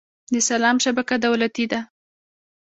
د سلام شبکه دولتي ده؟